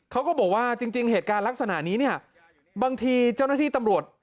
เขาก็บอกว่าจริงเหตุการณ์ลักษณะนี้เนี่ยบางทีเจ้าหน้าที่ตำรวจ